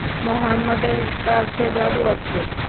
মুহাম্মাদের কাছে জাদু আছে।